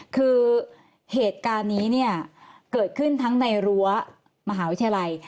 คือเหตุการณ์นี้เนี่ยเกิดขึ้นทั้งในรั้วมหาวิทยาลัย